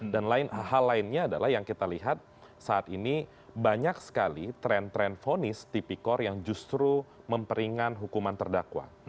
dan hal lainnya adalah yang kita lihat saat ini banyak sekali tren tren fonis tipikor yang justru memperingan hukuman terdakwa